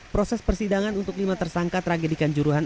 proses persidangan untuk lima tersangka tragedikan juruhan